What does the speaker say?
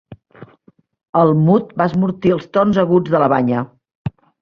El mut va esmortir els tons aguts de la banya.